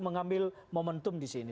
mengambil momentum di sini